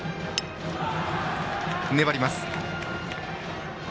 粘ります。